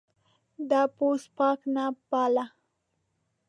دی پوست پاک نه باله.